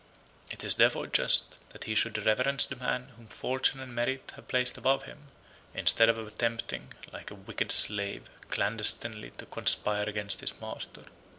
It is therefore just, that he should reverence the man whom fortune and merit have placed above him; instead of attempting, like a wicked slave, clandestinely to conspire against his master."